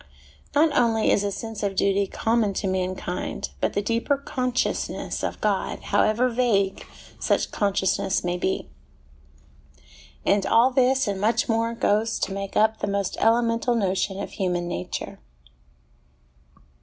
Not only is a sense of duty common to mankind, but the deeper consciousness of God, how ever vague such consciousness may be. And all this and much more goes to make up the most elemental notion of human nature.